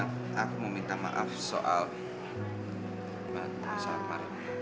nah aku mau minta maaf soal masalah kemaren